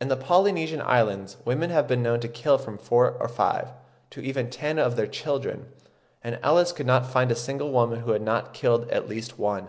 In the Polynesian Islands women have been known to kill from four or five, to even ten of their children; and Ellis could not find a single woman who had not killed at least one.